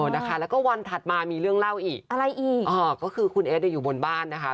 นะคะแล้วก็วันถัดมามีเรื่องเล่าอีกอะไรอีกอ๋อก็คือคุณเอสเนี่ยอยู่บนบ้านนะคะ